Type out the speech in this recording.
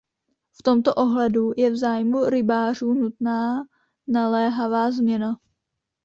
V tomto ohledu je v zájmu rybářů nutná naléhavá změna.